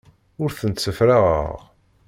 Ur tent-ssefraɣeɣ.